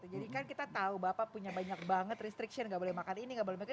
jadi kan kita tahu bapak punya banyak banget restriction gak boleh makan ini gak boleh makan itu